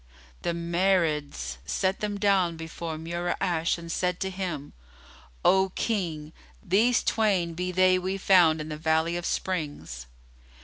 The Marids set them down before Mura'ash and said to him, "O King, these twain be they we found in the Valley of Springs."